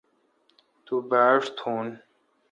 تو باݭ تھون